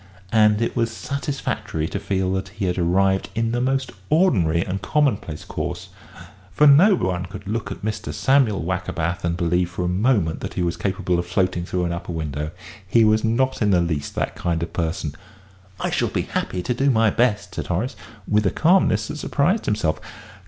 And it was satisfactory to feel that he had arrived in the most ordinary and commonplace course, for no one could look at Mr. Samuel Wackerbath and believe for a moment that he was capable of floating through an upper window; he was not in the least that kind of person. "I shall be happy to do my best," said Horace, with a calmness that surprised himself.